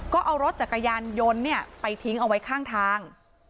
ก็เอารถจักรยานยนต์ไปทิ้งเอาไว้ข้างทาง